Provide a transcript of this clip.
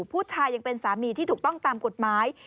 ผู้ชายยังเป็นสามีที่ถูกต้องตามกฎหมาย